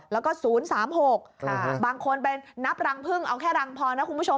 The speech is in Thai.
แล้วก็๐๓๖บางคนไปนับรังพึ่งเอาแค่รังพอนะคุณผู้ชม